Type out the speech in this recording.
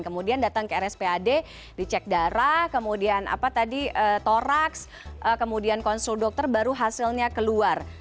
kemudian datang ke rspad dicek darah kemudian toraks kemudian konsul dokter baru hasilnya keluar